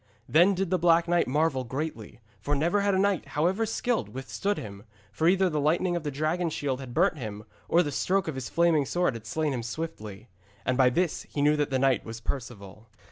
Then did the Black Knight marvel greatly, for never had a knight, however skilled, withstood him, for either the lightning of the dragon shield had burnt him, or the stroke of his flaming sword had slain him swiftly. And by this he knew that this knight was Perceval.